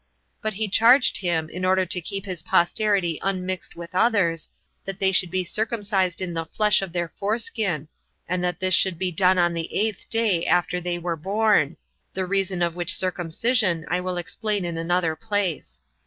But he charged him, in order to keep his posterity unmixed with others, that they should be circumcised in the flesh of their foreskin, and that this should be done on the eighth day after they were born: the reason of which circumcision I will explain in another place.